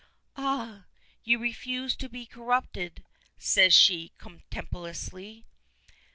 "Ah! you refuse to be corrupted?" says she, contemptuously.